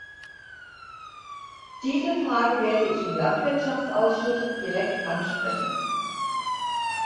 Diese Frage werde ich im Landwirtschaftsausschuss direkt ansprechen.